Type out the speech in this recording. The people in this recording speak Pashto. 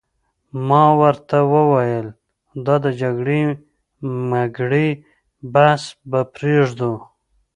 ما ورته وویل: دا د جګړې مګړې بحث به پرېږدو.